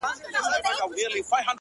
چي بیا يې ونه وینم ومي نه ويني’